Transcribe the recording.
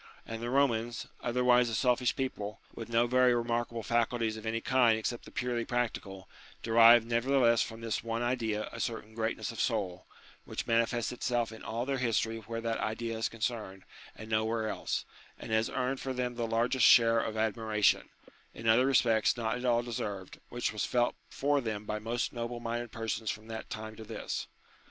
And the Eomans, otherwise a selfish people, with no very remarkable faculties of any kind except the purely practical, derived nevertheless from this one idea a certain greatness of soul, which manifests itself in all their history where that idea is concerned and no where else, and has earned for them the large share of admiration, in other respects not at all deserved, which has been felt for them by most noble minded persons from that time to this.